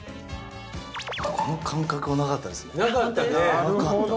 この感覚はなかったですねなかったね